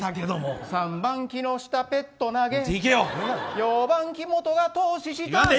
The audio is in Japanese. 三番木下ペット投げ四番木本が投資した。